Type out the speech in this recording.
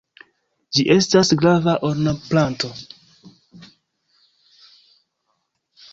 Ĝi estas grava ornamplanto.